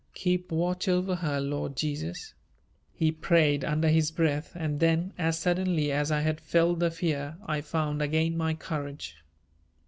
"Keep watch over her, Lord Jesus," he prayed under his breath and then as suddenly as I had felt the fear I found again my courage.